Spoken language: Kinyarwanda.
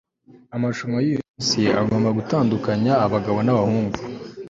amarushanwa yuyu munsi agomba gutandukanya abagabo nabahungu